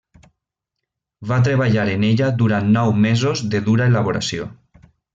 Va treballar en ella durant nou mesos de dura elaboració.